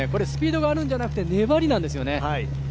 スピードがあるんじゃなくて、粘りなんですよね。